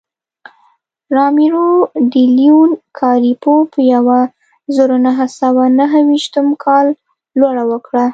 رامیرو ډي لیون کارپیو په یوه زرو نهه سوه نهه ویشتم کال لوړه وکړه.